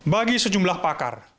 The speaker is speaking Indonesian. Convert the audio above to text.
bagi sejumlah pakar